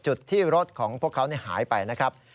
จุดที่รถของพวกเขาหายไปนะครับ